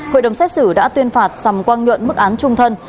hội đồng xét xử đã tuyên phạt sầm quang nhuận mức án trung thân